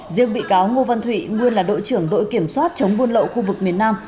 riêng bị cáo ngô văn thụy nguyên là đội trưởng đội kiểm soát chống buôn lậu khu vực miền nam